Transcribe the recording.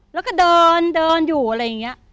แล้วก็เดินเดินอยู่อะไรอย่างนี้